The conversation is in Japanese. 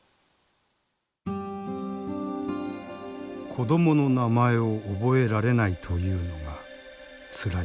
「子供の名前を覚えられないと言うのが辛い。